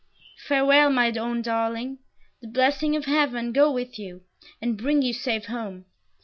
"Farewell, my own darling. The blessing of Heaven go with you, and bring you safe home!